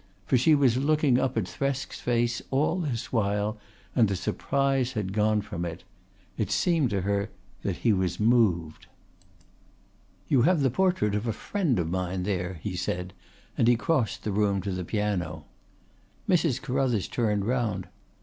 For she was looking up at Thresk's face all this while, and the surprise had gone from it. It seemed to her that he was moved. "You have the portrait of a friend of mine there," he said, and he crossed the room to the piano. Mrs. Carruthers turned round.